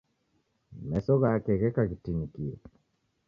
Meso ghake gheka ghitinikie